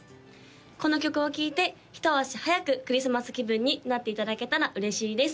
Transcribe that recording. この曲を聴いて一足早くクリスマス気分になっていただけたら嬉しいです